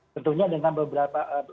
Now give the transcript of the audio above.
tentunya dengan beberapa